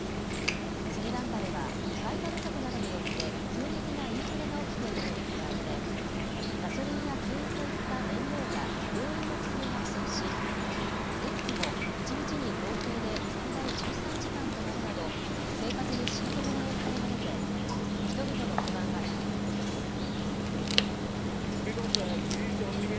スリランカでは外貨不足などによって急激なインフレが起きているのに加えてガソリンや軽油といった燃料や病院の薬が不足し電気も一日に合計で最大１３時間止まるなど生活に深刻な影響が出て人々の不満が高まっています。